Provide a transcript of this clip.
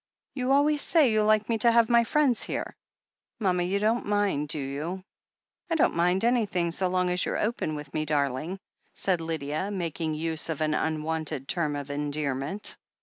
You always say you like me to have my friends here. Mama, you don't mind, do you?" "I don't mind anything so long as you're open with me, darling," said Lydia, making use of an tmwonted term of endearment.